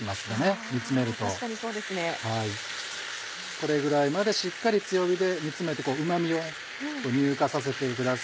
これぐらいまでしっかり強火で煮詰めてうま味を乳化させてください。